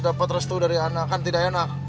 dapat restu dari anak kan tidak enak